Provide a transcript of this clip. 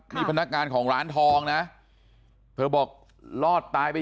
นี่พนักงานของร้านทองนะเธอบอกรอดตายไป